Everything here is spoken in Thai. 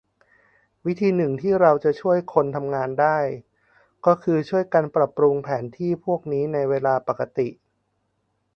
วิธีหนึ่งที่เราจะช่วยคนทำงานได้ ก็คือช่วยกันปรับปรุงแผนที่พวกนี้ในเวลาปกติ